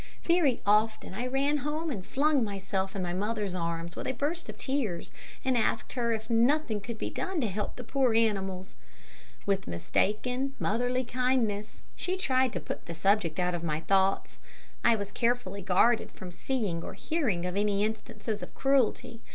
Very often, I ran home and flung myself in my mother's arms with a burst of tears, and asked her if nothing could be done to help the poor animals. With mistaken, motherly kindness, she tried to put the subject out of my thoughts. I was carefully guarded from seeing or hearing of any instances of cruelty.